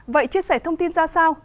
vậy chia sẻ thông tin ra sao